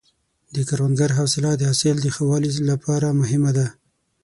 د کروندګر حوصله د حاصل د ښه والي لپاره مهمه ده.